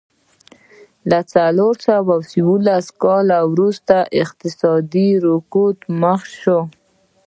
له څلور سوه یوولس کاله وروسته له اقتصادي رکود سره مخ شوه.